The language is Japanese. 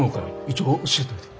一応教えといて。